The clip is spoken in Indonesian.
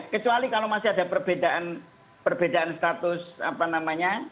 kecuali kalau masih ada perbedaan status apa namanya